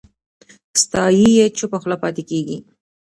ستایي یې چوپه خوله پاتې کېږي